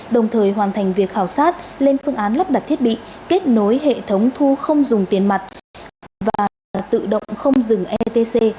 đồng thời hoàn thành việc khảo sát lên phương án lắp đặt thiết bị kết nối hệ thống thu không dùng tiền mặt và tự động không dừng etc